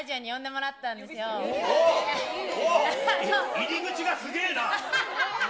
入り口がすげぇな。